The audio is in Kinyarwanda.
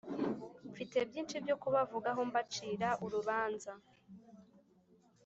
Mfite byinshi byo kubavugaho mbacira urubanza